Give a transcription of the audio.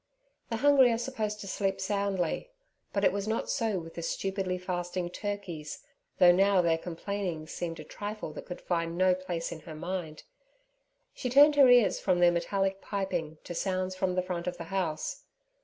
The hungry are supposed to sleep soundly; but it was not so with the stupidly fasting turkeys, though now their complainings seemed a trifle that could find no place in her mind. She turned her ears from their metallic piping to sounds from the front of the house.